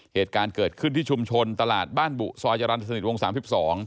เหตุการณ์เกิดขึ้นที่ชุมชนตลาดบ้านบุซอยจรรย์สนิทวง๓๒